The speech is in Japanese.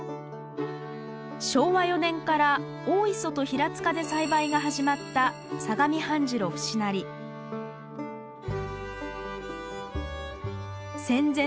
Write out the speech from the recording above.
昭和４年から大磯と平塚で栽培が始まった相模半白節成戦前